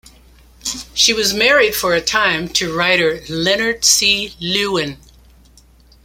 She was married for a time to writer Leonard C. Lewin.